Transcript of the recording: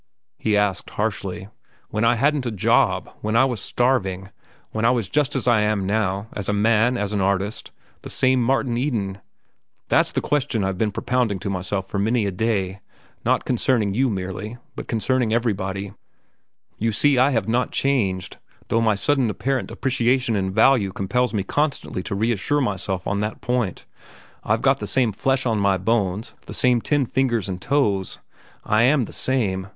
he asked harshly. "When I hadn't a job? When I was starving? When I was just as I am now, as a man, as an artist, the same Martin Eden? That's the question I've been propounding to myself for many a day—not concerning you merely, but concerning everybody. You see I have not changed, though my sudden apparent appreciation in value compels me constantly to reassure myself on that point. I've got the same flesh on my bones, the same ten fingers and toes. I am the same.